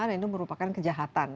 dan itu merupakan kejahatan